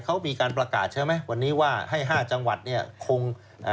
เขามีการประกาศใช่ไหมวันนี้ว่าให้๕จังหวัดคง